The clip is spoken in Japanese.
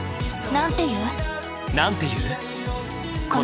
なんて言う？